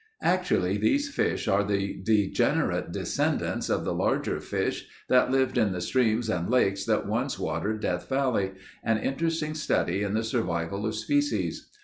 Actually these fish are the degenerate descendants of the larger fish that lived in the streams and lakes that once watered Death Valley—an interesting study in the survival of species.